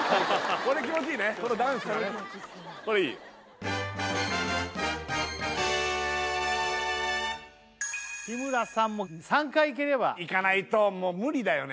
これいい日村さんも３回いければいかないともう無理だよね